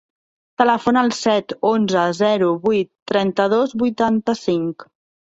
Telefona al set, onze, zero, vuit, trenta-dos, vuitanta-cinc.